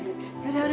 bu tuh kacangnya